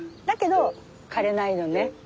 だけど枯れないのね。